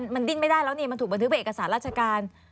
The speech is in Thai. มันดิ้นไม่ได้แล้วนี่มันถูกบันทึกเอกสารราชการ